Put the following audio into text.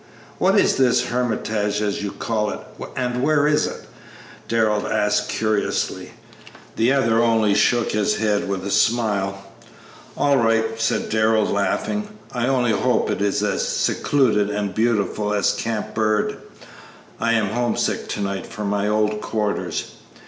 "What is this hermitage, as you call it, and where is it?" Darrell asked, curiously. The other only shook his head with a smile. "All right," said Darrell, laughing; "I only hope it is as secluded and beautiful as Camp Bird; I am homesick to night for my old quarters."